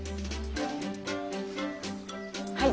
はい。